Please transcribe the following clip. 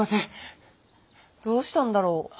どうしたんだろう。